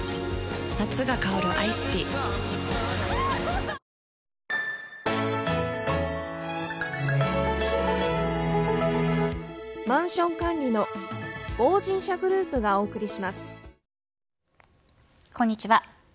夏が香るアイスティーこんにちは。